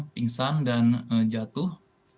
pingsan dan jatuh